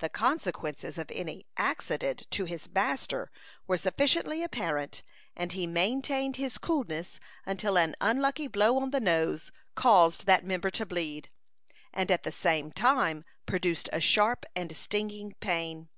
The consequences of any "accident" to his master were sufficiently apparent and he maintained his coolness until an unlucky blow on the nose caused that member to bleed, and at the same time produced a sharp and stinging pain.